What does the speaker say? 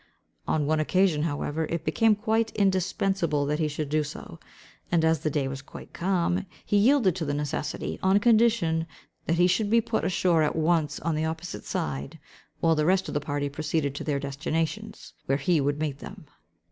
On one occasion, however, it became quite indispensable that he should do so; and, as the day was quite calm, he yielded to the necessity, on condition that he should be put ashore at once on the opposite side, while the rest of the party proceeded to their destinations, where he would meet them.